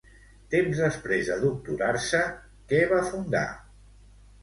Temps després de doctorar-se, què va fundar?